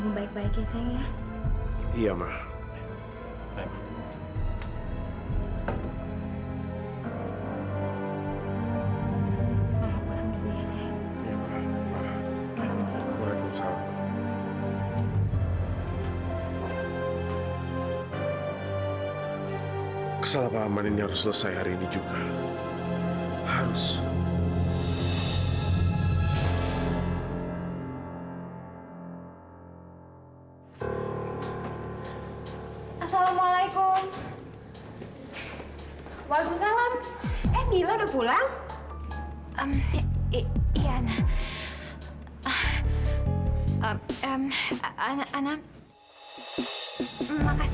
ini semua karena kalian berdua